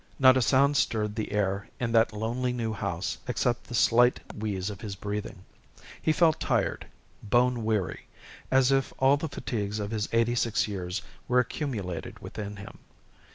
Not a sound stirred the air in that lonely new house except the slight wheeze of his breathing. He felt tired. Bone weary. As if all the fatigues of his eighty six years were accumulated within him.